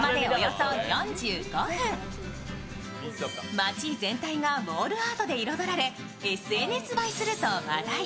街全体がウォールアートで彩られ、ＳＮＳ映えすると話題。